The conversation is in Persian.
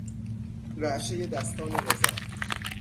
رعشهی دستان رضا